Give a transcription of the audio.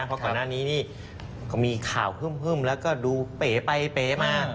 เพราะก่อนหน้านี้นี่เขามีข่าวฮึ่มแล้วก็ดูเป๋ไปเป๋มา